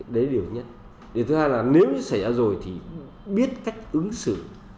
đấy là điều nhất điều thứ hai là nếu xảy ra rồi thì biết cách ứng xử